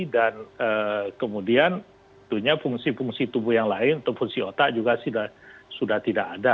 dan kemudian fungsi fungsi tubuh yang lain atau fungsi otak juga sudah tidak ada